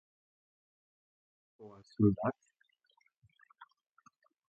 Sentien por els soldats?